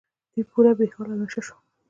دوی پوره بې حاله او نشه شول.